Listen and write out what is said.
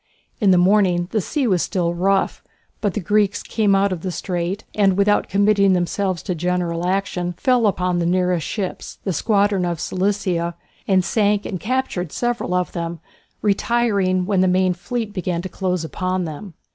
In the morning the sea was still rough, but the Greeks came out of the strait, and, without committing themselves to a general action, fell upon the nearest ships, the squadron of Cilicia, and sank and captured several of them, retiring when the main fleet began to close upon them.